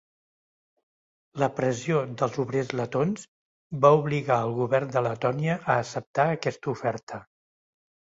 La pressió dels obrers letons va obligar al govern de Letònia a acceptar aquesta oferta.